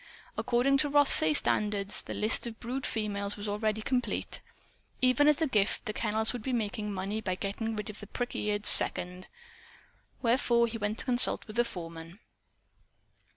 According to Rothsay standards, the list of brood females was already complete. Even as a gift, the kennels would be making money by getting rid of the prick eared "second." Wherefore he went to consult with the foreman.